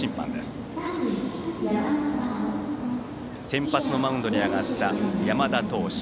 先発のマウンドに上がった山田投手。